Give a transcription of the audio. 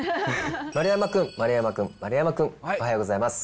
丸山君、丸山君、丸山君、おはようございます。